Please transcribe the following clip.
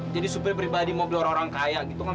jadi supir pribadi mobil orang orang kaya gitu kan